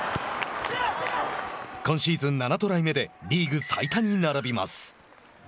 今シーズン７トライ目でリーグ最多に並びます。